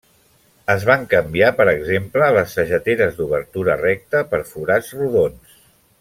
Es van canviar, per exemple, les sageteres d'obertura recta per forats rodons.